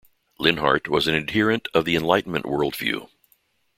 Linhart was an adherent of the Enlightenment worldview.